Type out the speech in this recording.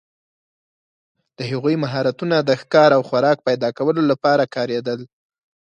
د هغوی مهارتونه د ښکار او خوراک پیداکولو لپاره کارېدل.